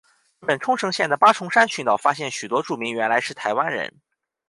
日本冲绳县的八重山群岛发现许多住民原来是台湾人。